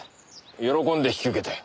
喜んで引き受けたよ。